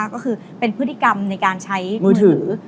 ก็คือเป็นพฤติกรรมในการใช้มือถือ